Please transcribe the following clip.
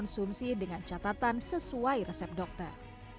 kondisi tersebut dikonsumsi dengan catatan sesuai resep dokter